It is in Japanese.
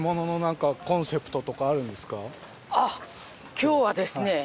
あっ今日はですね